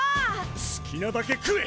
好きなだけ食え！